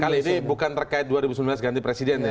kali ini bukan terkait dua ribu sembilan belas ganti presiden ya